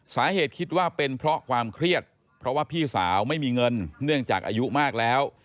สาเหตุคิดว่าเป็นเพราะความเครียดเพราะว่าพี่สาวไม่มีเงินเนื่องจากอายุมากแล้ว